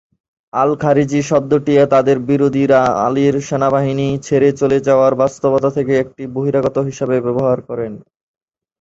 আল-খারিজি শব্দটি তাদের বিরোধীরা আলীর সেনাবাহিনী ছেড়ে চলে যাওয়ার বাস্তবতা থেকে একটি বহিরাগত হিসেবে ব্যবহার করে।